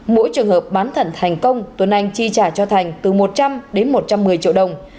mỗi trường hợp bán thận thành công tuấn anh chi trả cho thành từ một trăm linh đến một trăm một mươi triệu đồng